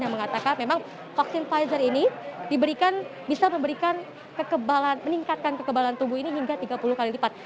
yang mengatakan memang vaksin pfizer ini bisa memberikan meningkatkan kekebalan tubuh ini hingga tiga puluh kali lipat